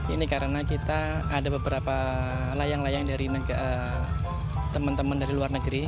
ini karena kita ada beberapa layang layang dari teman teman dari luar negeri